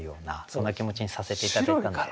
そんな気持ちにさせて頂いたので。